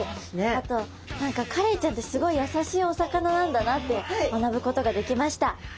あと何かカレイちゃんってすごい優しいお魚なんだなって学ぶことができました。